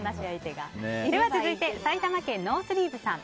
続いて、埼玉県の方。